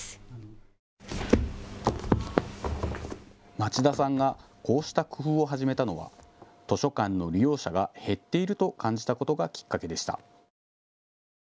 町田さんがこうした工夫を始めたのは図書館の利用者が減っていると感じたことがきっかけでした。